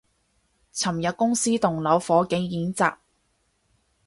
尋日公司棟樓火警演習